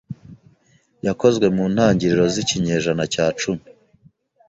yakozwe mu ntangiriro z'ikinyejana cya cumi